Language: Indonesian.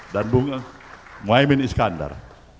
dan bung mu aymin iskandar